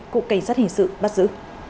cục cảnh sát hình sự bắt giữ